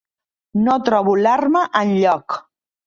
No trobo l'arma enlloc.